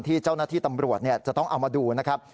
ที่เจ้าหน้าที่ตำรวจจะต้องเอามาดูนะครับ